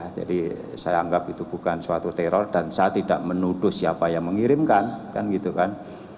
jadi saya anggap itu bukan suatu teror dan saya tidak menuduh siapa yang mengirimkan